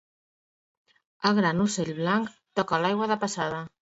El gran ocell blanc toca l'aigua de passada.